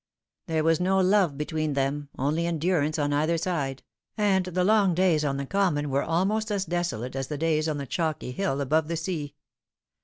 There was no love between them, only endurance on either side ; and the long days on the common were almost as desolate as the days on the chalky hill above the sea.